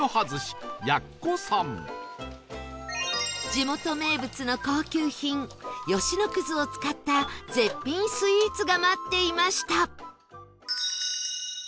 地元名物の高級品吉野葛を使った絶品スイーツが待っていました